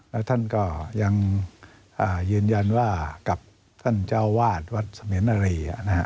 แล้วท่านก็ยังยืนยันว่ากับท่านเจ้าวาดวัดเสมียนนารี